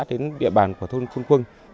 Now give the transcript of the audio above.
đến địa bàn của thôn khuôn khuôn